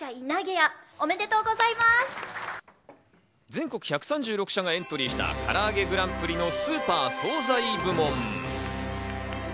全国１３６社がエントリーした、からあげグランプリのスーパー総菜部門。